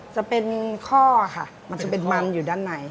จะเป็นข้อค่ะมันจะเป็นมันอยู่ด้านใน